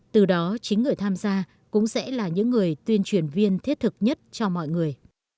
từ đó chính người tham gia cũng sẽ là những người tuyên truyền viên thiết thực nhất cho mọi người